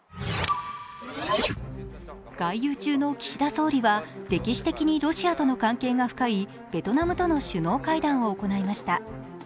外遊中の岸田総理は歴史的にロシアとの関係が深いベトナムとの首脳会談を行いました。